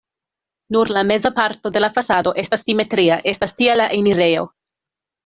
Nur la meza parto de la fasado estas simetria, estas tie la enirejo.